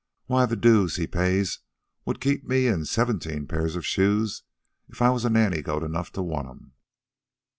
Why, the dues he pays would keep me in seventeen pairs of shoes if I was nannygoat enough to want 'em.